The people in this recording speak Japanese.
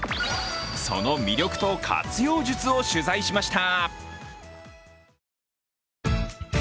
その魅力と活用術を取材しました。